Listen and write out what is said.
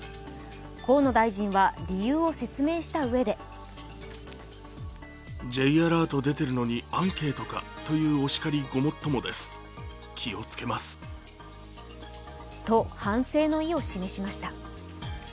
河野大臣は理由を説明したうえでと反省の意を示しました。